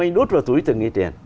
anh nút vào túi từng cái tiền